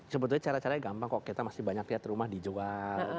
sebetulnya cara caranya gampang kok kita masih banyak lihat rumah dijual